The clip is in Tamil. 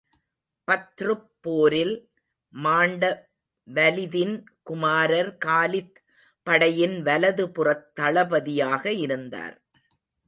பத்ருப் போரில் மாண்ட வலிதின் குமாரர் காலித் படையின் வலது புறத் தளபதியாக இருந்தார்.